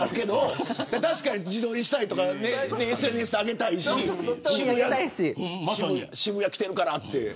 確かに自撮りしたりＳＮＳへ上げたいし渋谷来てるからって。